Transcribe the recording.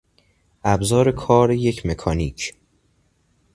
ابزار کار یک مکانیک